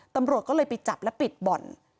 ตำรวจก็เลยไปจับและปิดบ่อน